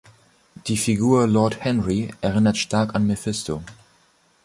Die Figur Lord Henry erinnert stark an Mephisto.